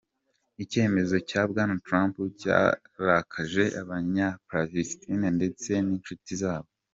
Icyemezo cya Bwana Trump cyarakaje abanya Palestine ndetse n’inshuti zabo.